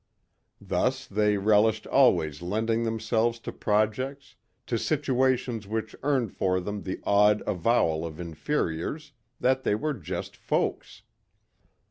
Thus they relished always lending themselves to projects, to situations which earned for them the awed avowal of inferiors that they were "just folks."